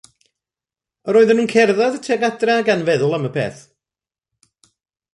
Yr oeddwn yn cerdded tuag adref gan feddwl am y peth.